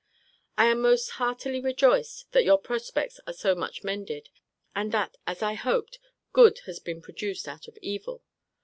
I am most heartily rejoiced that your prospects are so much mended; and that, as I hoped, good has been produced out of evil.